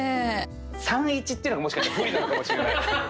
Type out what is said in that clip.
３−１っていうのがもしかしたら不利なのかもしれない。